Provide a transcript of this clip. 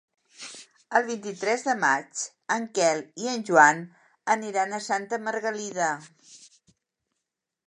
El vint-i-tres de maig en Quel i en Joan aniran a Santa Margalida.